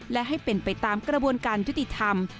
และให้เป็นไปตามกระบวนการยุติธรรม